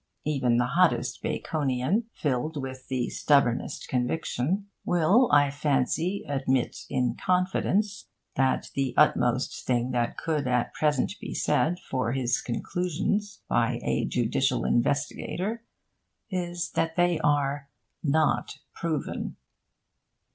Even the hottest Baconian, filled with the stubbornest conviction, will, I fancy, admit in confidence that the utmost thing that could, at present, be said for his conclusions by a judicial investigator is that they are 'not proven.'